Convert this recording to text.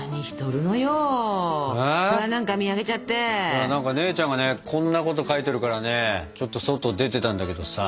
いや何か姉ちゃんがねこんなこと書いてるからねちょっと外出てたんだけどさ。